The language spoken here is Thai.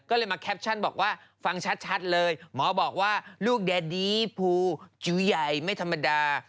ก็เลยมาแคปชั่นบอกว่าฟังชัดเลยหมอบอกว่าลูกแดดี้ภูจิ๋วใหญ่ไม่ธรรมดา